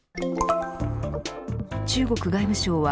中国外務省は